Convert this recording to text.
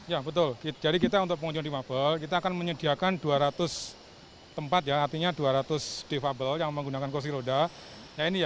ya betul jadi kita untuk pengunjung difabel kita akan menyediakan dua ratus tempat ya artinya dua ratus defable yang menggunakan kursi roda